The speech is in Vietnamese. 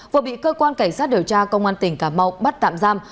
vừa bị cơ quan cảnh sát điều tra công an tỉnh cà mau bắt tạm giam